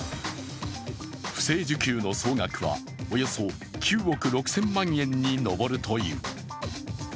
不正受給の総額は、およそ９億６０００万円に上るという。